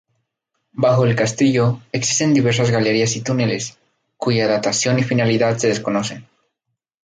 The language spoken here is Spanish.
Bajo el castillo, existen diversas galerías y túneles, cuya datación y finalidad se desconocen.